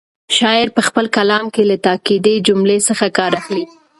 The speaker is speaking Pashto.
شاعر په خپل کلام کې له تاکېدي جملو څخه کار اخلي.